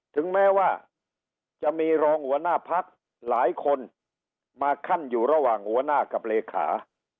ถึงแม้ว่าจะมีรองหัวหน้าพักหลายคนมาขั้นอยู่ระหว่างหัวหน้ากับเลขา